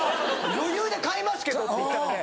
余裕で買いますけど」って言っちゃって。